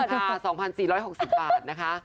ราคาสองพันสี่ร้อยหกสิบบาทนะคะ